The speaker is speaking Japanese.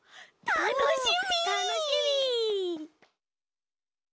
たのしみ！